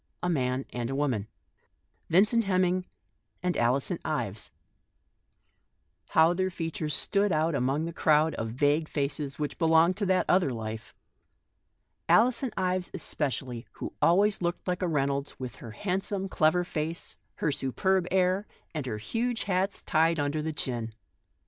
A man and a woman — Vincent Hemming and Alison Ives. How their fea tures stood out among the crowd of vague faces, which belonged to that other life. Alison Ives especially, with her handsome, clever face, looking like a Reynolds, with her superb air, and her huge hat tied under the chin.